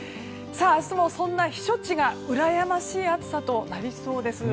明日もそんな避暑地が羨ましい暑さとなりそうです。